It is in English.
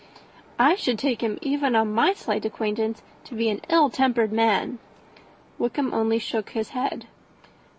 "I should take him, even on my slight acquaintance, to be an ill tempered man." Wickham only shook his head.